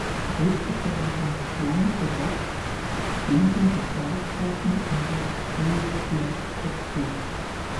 Die christliche Ordination bedeutete die Bindung des Beauftragten an die apostolische Lehrtradition.